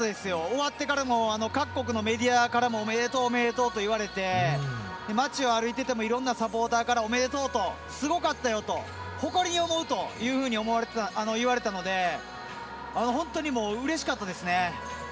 終わってからも各国のメディアからもおめでとうと言われて町を歩いててもいろんなサポーターからおめでとうと、すごかったよと誇りに思うというふうに言われていたので本当にうれしかったですね。